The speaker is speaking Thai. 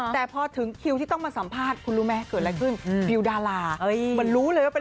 แต่พอถึงคิวที่ต้องมาสัมภาษณ์ก็มัยเกิดอะไรขึ้น